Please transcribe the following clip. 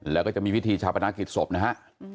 แล้วก็จะมีพิธีชาปนากิจศพนะฮะ